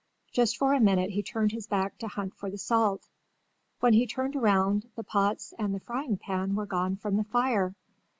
Just for a minute he turned his back to hunt for the salt. When he turned around the pots and the frying pan were gone from the fire.